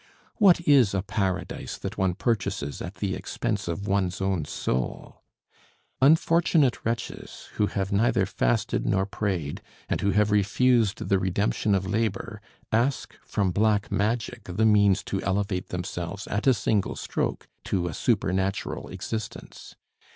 What is a paradise that one purchases at the expense of one's own soul?... Unfortunate wretches who have neither fasted nor prayed, and who have refused the redemption of labor, ask from black magic the means to elevate themselves at a single stroke to a supernatural existence.